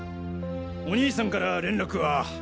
お兄さんから連絡は？